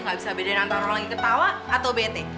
gak bisa bedain antara orang yang tertawa atau bete